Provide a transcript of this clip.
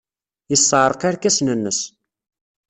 Yessarreq irkasen-nnes.